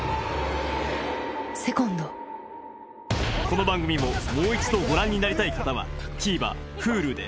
この番組ももう一度ご覧になりたい方はＴＶｅｒＨｕｌｕで